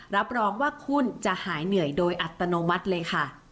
รับรองว่าคุณจะหายเหนื่อยโดยอัตโนมัติเลยค่ะ